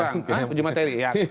kurang uji materi ya